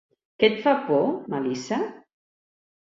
Què et fa por, Melissa?